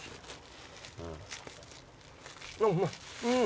うまいん。